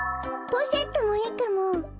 ポシェットもいいかも！